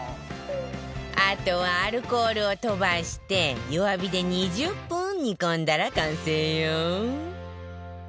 あとはアルコールを飛ばして弱火で２０分煮込んだら完成よ